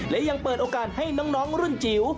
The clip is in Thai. และยังเปิดโอกาสให้น้องรุ่นจิ๋ว